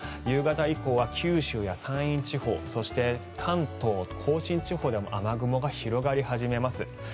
夕方以降は九州や山陰地方そして関東・甲信地方でも雨雲が広がり始めます。